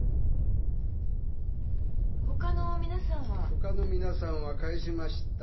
ほかの皆さんは帰しました。